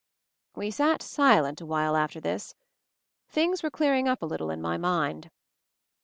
We sat silent awhile after this. Things were clearing up a little in my mind.